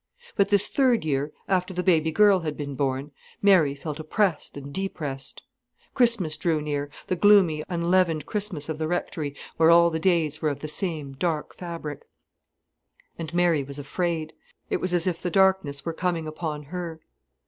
But this third year, after the baby girl had been born, Mary felt oppressed and depressed. Christmas drew near: the gloomy, unleavened Christmas of the rectory, where all the days were of the same dark fabric. And Mary was afraid. It was as if the darkness were coming upon her.